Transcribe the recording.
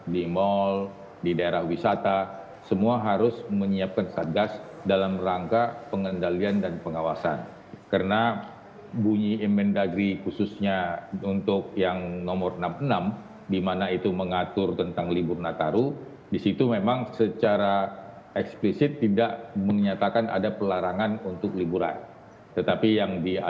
bahwa mereka yang melakukan perjalanan antar provinsi antar keupatan tentu sudah mengoptimalkan aplikasi peduli lindungi